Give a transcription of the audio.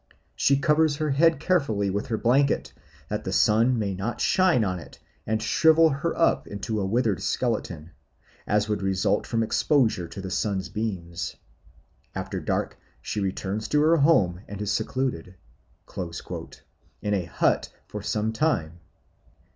She covers her head carefully with her blanket that the sun may not shine on it and shrivel her up into a withered skeleton, as would result from exposure to the sun's beams. After dark she returns to her home and is secluded" in a hut for some time.